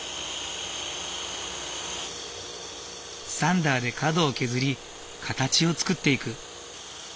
サンダーで角を削り形を作っていく。